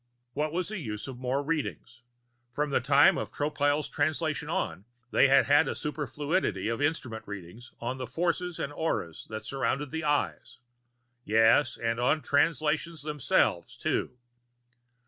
What was the use of more readings? From the time of Tropile's Translation on, they had had a superfluity of instrument readings on the forces and auras that surrounded the Eyes yes, and on Translations themselves, too.